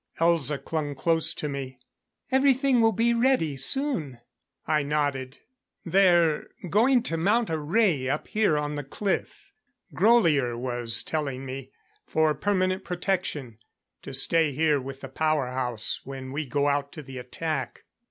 Elza clung close to me. "Everything will be ready soon." I nodded. "They're going to mount a ray up here on the cliff. Grolier was telling me, for permanent protection to stay here with the power house when we go out to the attack."